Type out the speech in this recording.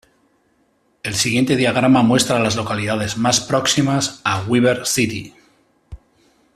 El siguiente diagrama muestra a las localidades más próximas a Weber City.